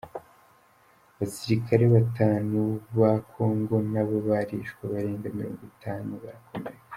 Abasirikare batanu ba Kongo nabo barishwe, abarenga mirongo itanu barakomereka.